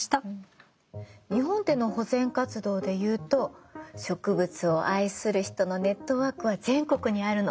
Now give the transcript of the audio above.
日本での保全活動で言うと植物を愛する人のネットワークは全国にあるの。